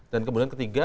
dan kemudian ketiga